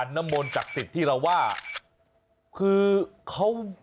น้ำมนต์ศักดิ์สิทธิ์ที่เราว่าคือเขา